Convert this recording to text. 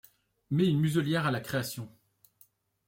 Met une muselière à la création.